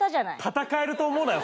戦えると思うなよ